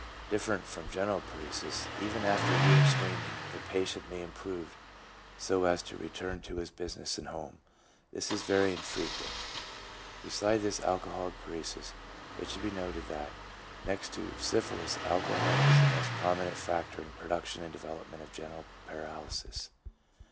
Different from general paralysis, even after years' standing the patient may improve so as to return to his business and home. This is very infrequent. Beside this alcoholic paresis, it should be noted that, next to syphilis, alcohol is the most prominent factor in the production and development of general paralysis.